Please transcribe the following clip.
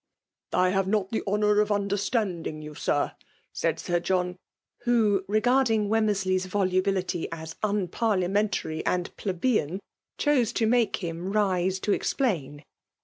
"" I have not the honour of understanding you, Sir,*' said Sir John ; who, regarding Wemmersley^s volubility as unparliamentary and plebeian, chose to make him rise to explain.